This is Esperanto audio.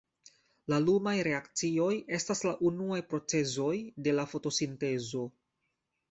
La lumaj reakcioj estas la unuaj procezoj de la fotosintezo.